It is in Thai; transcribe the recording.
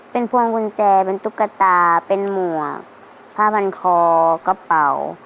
เป็นพวงกุญแจเป็นตุ๊กตาเป็นหมวกผ้าพันคอกระเป๋า